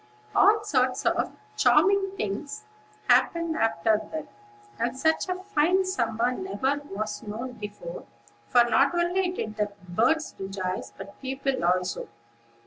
All sorts of charming things happened after that, and such a fine summer never was known before; for not only did the birds rejoice, but people also.